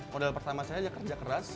modal pertama saya aja kerja keras